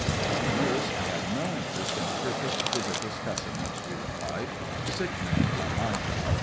"As a nurse I have no interest in perfect physical specimens," she replied. "Sick men are my job.